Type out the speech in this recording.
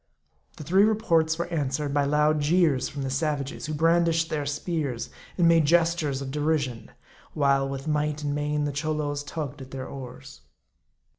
The three reports were answered by loud jeers from the savages, who brandished their spears, and made gestures of derision ; while with might and main the Cholos tugged at their oars.